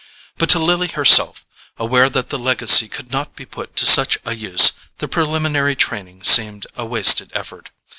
But to Lily herself, aware that the legacy could not be put to such a use, the preliminary training seemed a wasted effort.